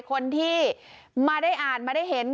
คนที่มาได้อ่านมาได้เห็น